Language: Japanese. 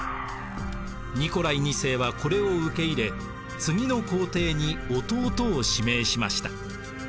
ニコライ２世はこれを受け入れ次の皇帝に弟を指名しました。